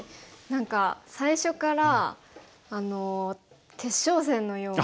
何か最初から決勝戦のような。